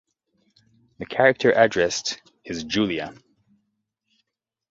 The character addressed is Julia.